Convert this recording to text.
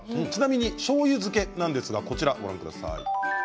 しょうゆ漬けなんですがこちらご覧ください。